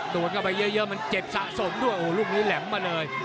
โดนเข้าไปเยอะมันเจ็บสะสมด้วยโอ้โหลูกนี้แหลมมาเลย